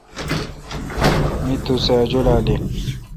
می تو سہ۔ اجولال این۔